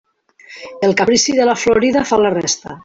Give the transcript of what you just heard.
El caprici de la florida fa la resta.